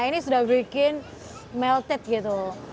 nah ini sudah bikin melted gitu